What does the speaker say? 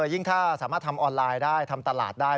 ยิ่งถ้าสามารถทำออนไลน์ได้ทำตลาดได้